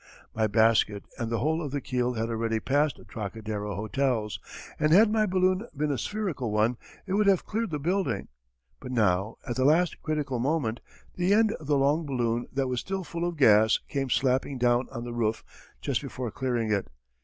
My basket and the whole of the keel had already passed the Trocadero hotels, and had my balloon been a spherical one it would have cleared the building. But now at the last critical moment, the end of the long balloon that was still full of gas came slapping down on the roof just before clearing it.